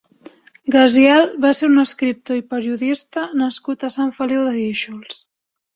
Gaziel va ser un escriptor i periodista nascut a Sant Feliu de Guíxols.